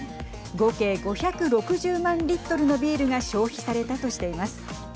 合計５６０万リットルのビールが消費されたとしています。